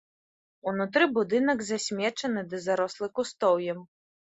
Унутры будынак засмечаны ды зарослы кустоўем.